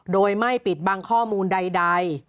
โดยไม่ปิดบังข้อมูลใด